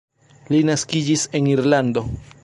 Li naskiĝis en Irlando.